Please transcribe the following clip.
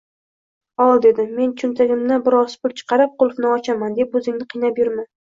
Ol, – dedim men choʻntagimdan bir oz pul chiqarib, qulfni ochaman deb oʻzingni qiynab yurma.